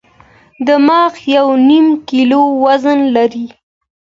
دماغ یو نیم کیلو وزن لري.